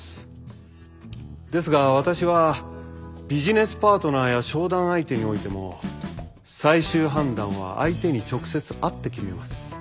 ですが私はビジネスパートナーや商談相手においても最終判断は相手に直接会って決めます。